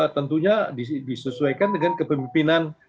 tentunya disesuaikan dengan kepemimpinan raja charles iii ini